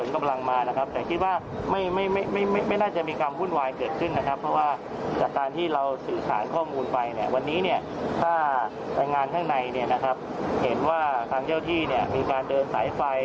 แต่งานข้างในเห็นว่าทางเจ้าที่มีการเดินสายไฟ